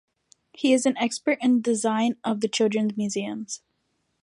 He is an expert in the design of children’s museums.